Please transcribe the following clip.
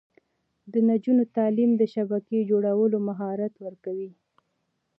د نجونو تعلیم د شبکې جوړولو مهارت ورکوي.